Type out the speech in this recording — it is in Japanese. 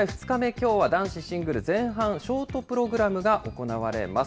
きょうは男子シングル前半、ショートプログラムが行われます。